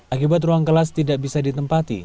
akibat ruang kelas tidak bisa ditempati